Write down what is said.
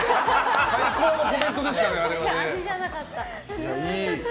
最高のコメントでしたね、あれ。